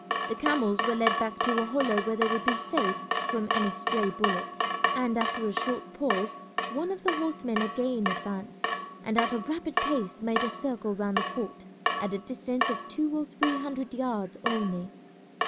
The camels were led back to a hollow where they would be safe from any stray bullet, and after a short pause one of the horsemen again advanced and at a rapid pace made a circle round the fort at a distance of two or three hundred yards only.